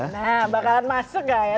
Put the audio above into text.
nah bakalan masuk gak ya